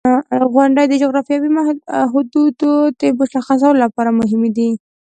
• غونډۍ د جغرافیوي حدودو د مشخصولو لپاره مهمې دي.